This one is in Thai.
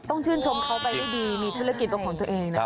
ต้องชื่นชมเขาไปให้ดีมีธุรกิจตัวของตัวเองนะ